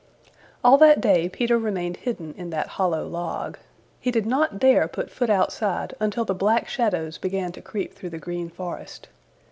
All that day Peter remained hidden in that hollow log. He did not dare put foot outside until the Black Shadows began to creep through the Green Forest.